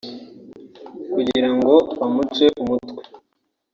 kugira ngo bamuce umutwe